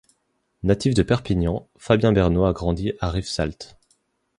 Natif de Perpignan, Fabien Berneau a grandi à Rivesaltes.